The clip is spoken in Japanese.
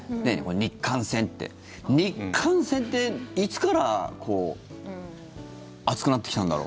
日韓戦っていつから熱くなってきたんだろう。